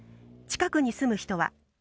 近くに住む人は。